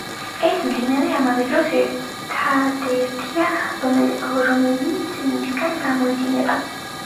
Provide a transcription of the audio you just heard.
ეს მდინარე ამავე დროს ერთადერთია, რომელიც მისგან გამოედინება.